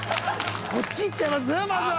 こっちいっちゃいます？